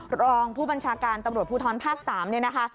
รองผู้บัญชาการตำรวจภูท้อนภาค๓